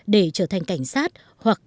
để trở thành cảnh sát hoặc